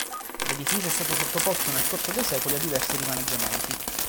L'edificio è stato sottoposto nel corso dei secoli a diversi rimaneggiamenti.